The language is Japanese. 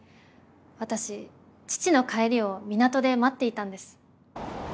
私父の帰りを港で待っていたんです。